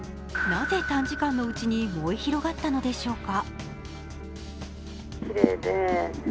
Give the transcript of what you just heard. なぜ短時間のうちに燃え広がったのでしょうか。